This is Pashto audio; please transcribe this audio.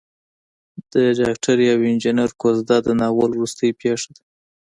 د ډاکټرې او انجنیر کوژده د ناول وروستۍ پېښه ده.